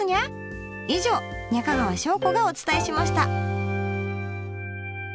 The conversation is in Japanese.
以上中川翔子がお伝えしました。